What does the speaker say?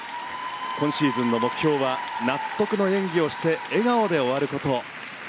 今シーズンの目標は納得の演技をして笑顔で終わること。